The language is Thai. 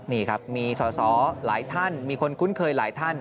นี่ครับมีสอสอหลายท่านมีคนคุ้นเคยหลายท่าน